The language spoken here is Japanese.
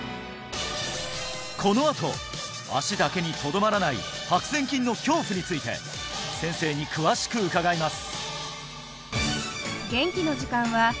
このあと足だけにとどまらない白せん菌の恐怖について先生に詳しく伺います